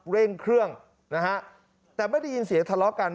เร่งเครื่องนะฮะแต่ไม่ได้ยินเสียงทะเลาะกัน